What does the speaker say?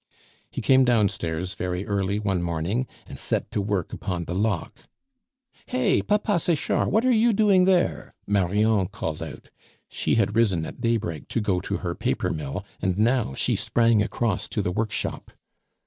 He came downstairs very early one morning and set to work upon the lock. "Hey! Papa Sechard, what are you doing there?" Marion called out. (She had risen at daybreak to go to her papermill, and now she sprang across to the workshop.)